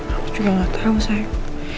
aku juga gak tau sayang